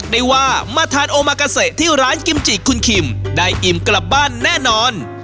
ได้ว่ามาทานโอมากาเซที่ร้านกิมจิคุณคิมได้อิ่มกลับบ้านแน่นอน